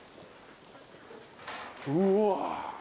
うわ。